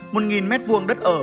một nghìn mét vuông đất ở